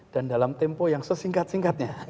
dan dalam tempo yang sesingkat